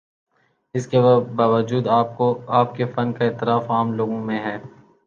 اس کے باوجود آپ کے فن کا اعتراف عام لوگوں میں ہے۔